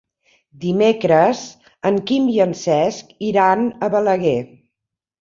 Dimecres en Quim i en Cesc iran a Balaguer.